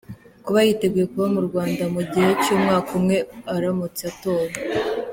Kuba yiteguye kuba mu Rwanda mu gihe cy’umwaka umwe aramutse atowe .